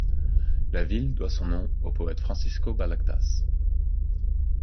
La ville doit son nom au poète Francisco Balagtas.